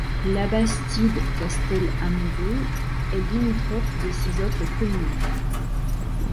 Labastide-Castel-Amouroux est limitrophe de six autres communes.